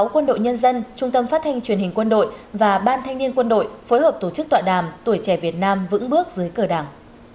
quân đội nhân dân trung tâm phát thanh truyền hình quân đội và ban thanh niên quân đội phối hợp tổ chức tọa đàm tuổi trẻ việt nam vững bước dưới cờ đảng